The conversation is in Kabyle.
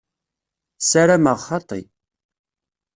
Sarameɣ xaṭi.